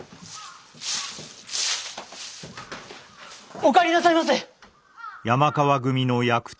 お帰りなさいませ！